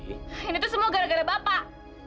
ini tuh semua gara gara bapak